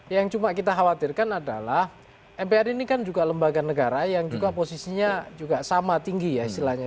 yang cuma kita khawatirkan adalah mpr ini kan juga lembaga negara yang juga posisinya juga sama tinggi ya istilahnya